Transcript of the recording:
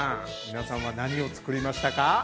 皆さんは何を作りましたか？